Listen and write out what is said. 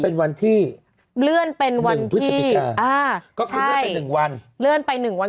เป็นวันที่๑พฤศจิกาก็คือเลื่อนไป๑วัน